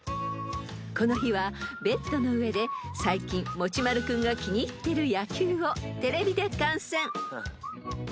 ［この日はベッドの上で最近もちまる君が気に入ってる野球をテレビで観戦］